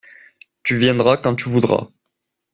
Tu viendras quand tu voudras.